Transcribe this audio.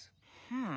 うん。